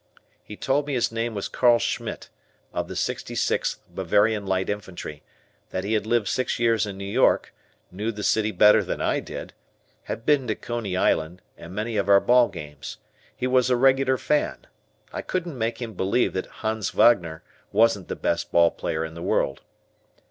He told me his name was Carl Schmidt, of the 66th Bavarian Light Infantry; that he had lived six years in New York (knew the city better than I did), had been to Coney Island and many of our ball games. He was a regular fan. I couldn't make him believe that Hans Wagner wasn't the best ball player in the world.